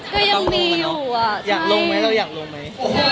ก็ยังมีอยู่อ่ะอยากลงมั้ยเราอยากลงมั้ย